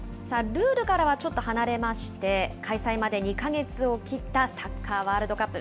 ルールからはちょっと離れまして、開催まで２か月を切ったサッカーワールドカップ。